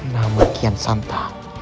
nama kian santang